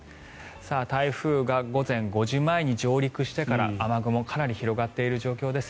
台風が午前５時前に上陸してから雨雲かなり広がっている状況です。